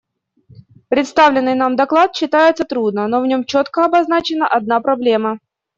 Представленный нам доклад читается трудно, но в нем четко обозначена одна проблема.